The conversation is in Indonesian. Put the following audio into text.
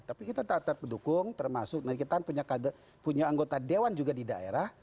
tapi kita tetap mendukung termasuk kita punya anggota dewan juga di daerah